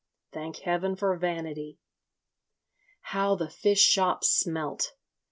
Thank heaven for vanity! How the fish shops smelt!